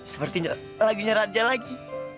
seperti lagunya larja lagi